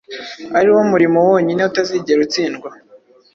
ari wo murimo wonyine utazigera utsindwa.